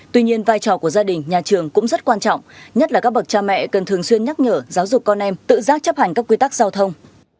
tuy nhiên vai trò của gia đình nhà trường cũng rất quan trọng nhất là các bậc cha mẹ cần thường xuyên nhắc nhở giáo dục con em tự giác chấp hành các quy tắc giao thông